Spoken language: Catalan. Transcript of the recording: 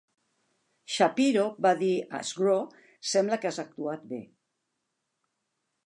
Shapiro va dir a Sgro, Sembla que has actuat bé.